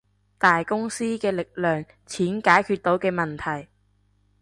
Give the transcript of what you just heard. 大公司嘅力量，錢解決到嘅問題